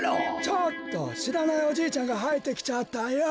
ちょっとしらないおじいちゃんがはいってきちゃったよ。